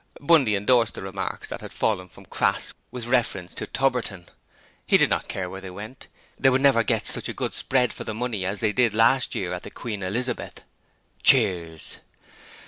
Bundy endorsed the remarks that had fallen from Crass with reference to Tubberton. He did not care where they went, they would never get such a good spread for the money as they did last year at the Queen Elizabeth. (Cheers.)